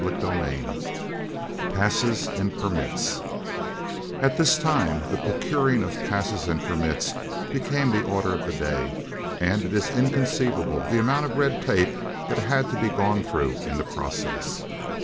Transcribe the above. CHAPTER VI PASSES AND PERMITS At this time the procuring of passes and permits became the order of the day, and it is inconceivable the amount of red tape that had to be gone through in the process.